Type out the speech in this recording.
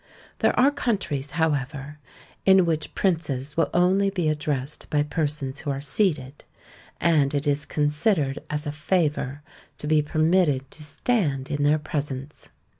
There are countries, however, in which princes will only be addressed by persons who are seated, and it is considered as a favour to be permitted to stand in their presence.